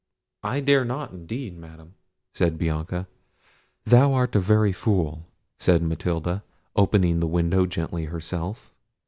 "I dare not, indeed, Madam," said Bianca. "Thou art a very fool," said Matilda, opening the window gently herself.